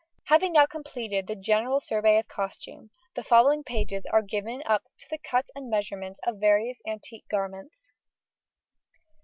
Having now completed the general survey of Costume, the following pages are given up to the cut and measurements of various antique garments.